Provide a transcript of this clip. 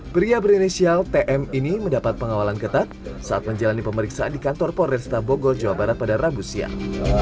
pria berinisial tm ini mendapat pengawalan ketat saat menjalani pemeriksaan di kantor polresta bogor jawa barat pada rabu siang